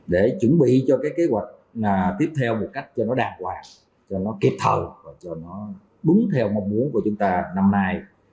để chuẩn bị cho kế hoạch tiếp theo một cách cho nó đàng hoàng cho nó kịp thầu cho nó đúng theo mong muốn của chúng ta năm nay